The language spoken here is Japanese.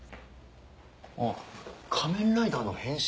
あっ『仮面ライダー』の変身